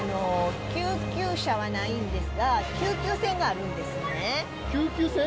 救急車はないんですが、救急船があるんですね。